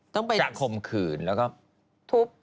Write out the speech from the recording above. ต้องไปข่มขืนแล้วก็ทุบ